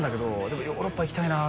「でもヨーロッパ行きたいな」